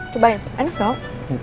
cobain enak dong